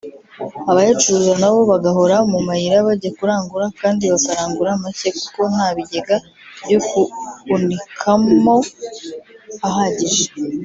abayacuruza nabo bagahora mu mayira bajya kurangura kandi bakarangura make kuko nta bigega byo guhunikamo ahagije